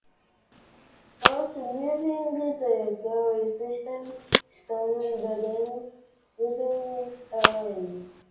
Once leaving the care system Stone began using heroin.